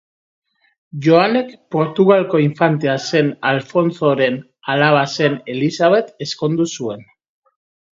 Joanek Portugalgo infantea zen Alfontsoren alaba zen Elisabet ezkondu zuen.